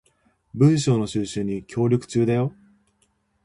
文章の収集に協力中だよ